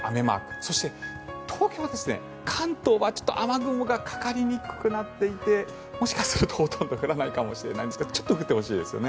そして、東京は関東はちょっと雨雲がかかりにくくなっていてもしかすると、ほとんど降らないかもしれませんがちょっと降ってほしいですよね。